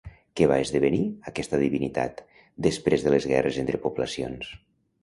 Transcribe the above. Què va esdevenir, aquesta divinitat, després de les guerres entre poblacions?